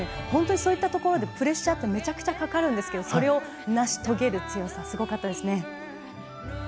本当にそういったところでプレッシャーってかかるんですがそれを成し遂げる強さすごかったですね。